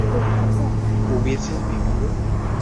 ¿hubieseis vivido?